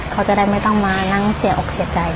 เขาจะได้ไม่ต้องมานั่งเสียอกเสียใจ